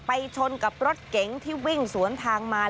ชนกับรถเก๋งที่วิ่งสวนทางมา